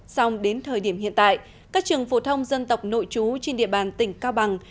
xong đến thời điểm hiện tại các trường phổ thông dân tộc nội trú trên địa bàn tỉnh cao bằng